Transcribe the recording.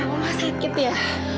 oma sakit ya